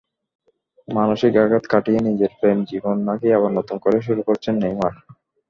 মানসিক আঘাত কাটিয়ে নিজের প্রেম-জীবন নাকি আবার নতুন করে শুরু করেছেন নেইমার।